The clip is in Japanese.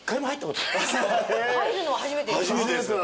入るのは初めてですか？